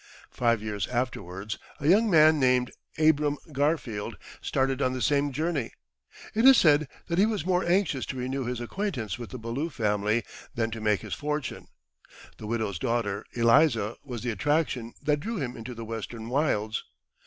Five years afterwards, a young man named Abram Garfield started on the same journey. It is said that he was more anxious to renew his acquaintance with the Ballou family than to make his fortune. The widow's daughter Eliza was the attraction that drew him into the Western wilds.